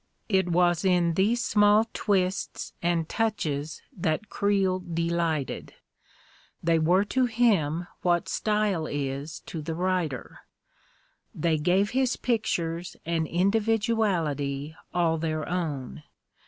It was in these small twists and touches that Creel delighted; they were to him what style is to the writer; they gave his pictures an individuality all their own.